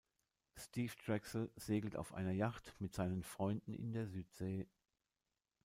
Steve Drexel segelt auf einer Yacht mit seinen Freunden in der Südsee.